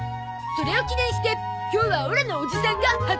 それを記念して今日はオラのおじさんが初登場！